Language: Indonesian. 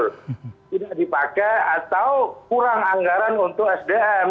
tidak dipakai atau kurang anggaran untuk sdm